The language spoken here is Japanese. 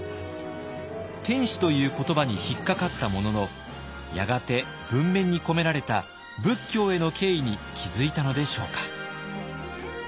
「天子」という言葉に引っ掛かったもののやがて文面に込められた仏教への敬意に気付いたのでしょうか。